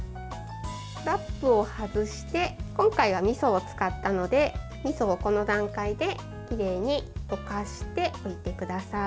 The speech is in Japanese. ラップを外して今回は、みそを使ったのでみそをこの段階できれいに溶かしておいてください。